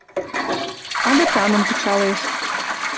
Агытаным кычалеш.